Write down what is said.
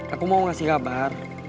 aku mau ngasih kabar